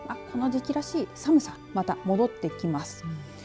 この時期らしい寒さまた戻ってきます。